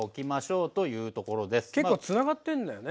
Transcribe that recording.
結構つながってんだよね。